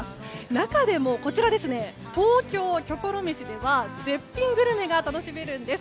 中でも、東京キョコロめしでは絶品グルメが楽しめるんです。